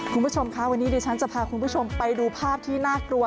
คุณผู้ชมคะวันนี้จะพาคุณผู้ชมไปดูภาพน่ากลัว